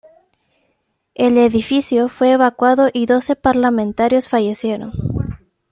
El edificio fue evacuado y doce parlamentarios fallecieron.